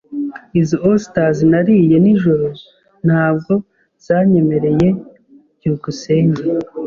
Izo osters nariye nijoro ntabwo zanyemereye. byukusenge